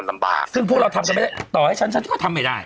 ลำบากซึ่งพวกเราทำกันไม่ได้ต่อให้ฉันฉันก็ทำไม่ได้